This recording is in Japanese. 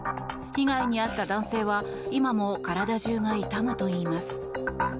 被害に遭った男性は今も体中が痛むといいます。